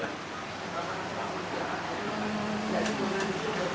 harapannya sih mudah mudahan